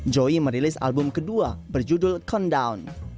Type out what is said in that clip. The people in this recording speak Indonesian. joey merilis album kedua berjudul countdown